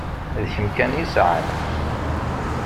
D kemm kan i sɛan.